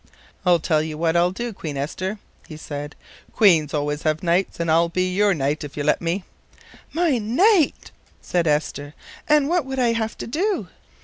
"I'll tell you what I'll do, Queen Esther," he said; "queens always have knights, and I'll be your knight if you'll let me." "My knight!" said Esther. "And what would I have to do?